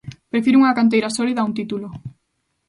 Prefire unha canteira sólida a un título.